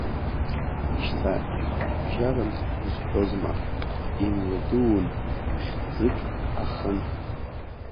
Шьҭа игәарбжьаран узҳәозма, имҩадуун, хьӡык ахын.